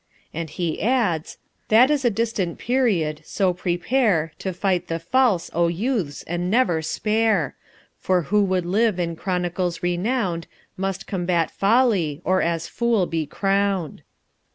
And he adds: That is a distant period; so prepare To fight the false, O youths, and never spare! For who would live in chronicles renowned Must combat folly, or as fool be crowned.